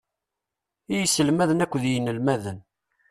I yiselmaden akked yinelmaden.